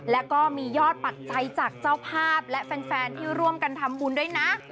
และก็มียอดปัจจัยจากเจ้าภาพและแฟนที่ร่วมกันทำบุญด้วยนะ